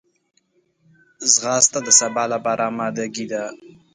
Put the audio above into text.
ځغاسته د سبا لپاره آمادګي ده